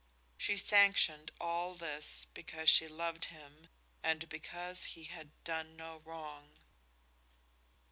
She sanctioned all this because she loved him and because he had done no wrong.